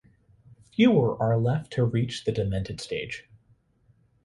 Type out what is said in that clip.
Fewer are left to reach the demented stage.